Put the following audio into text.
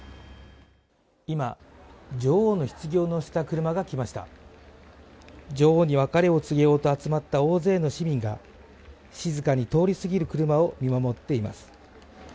今女王の棺を乗せた車が来ました女王に別れを告げようと集まった大勢の市民が静かに通り過ぎる車を見守っています